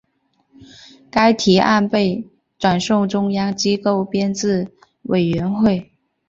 该提案被转送中央机构编制委员会。